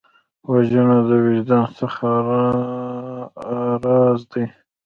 وژنه د وجدان سخت ازار دی